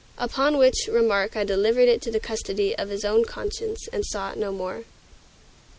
Upon which remark I delivered it up to the custody of his own conscience, and saw it no more.